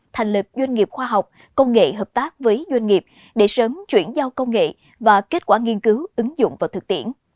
thành lập doanh nghiệp khoa học công nghệ hợp tác với doanh nghiệp để sớm chuyển giao công nghệ và kết quả nghiên cứu ứng dụng vào thực tiễn